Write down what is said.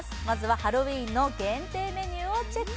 ハロウィーンの限定メニューをチェック。